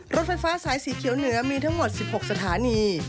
รถไฟฟ้าสายสีเขียวเหนือมีทั้งหมด๑๖สถานี